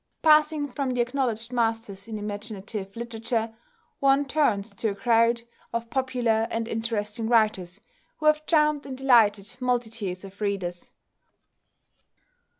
Passing from the acknowledged masters in imaginative literature, one turns to a crowd of popular and interesting writers who have charmed and delighted multitudes of readers.